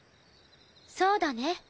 そうだね。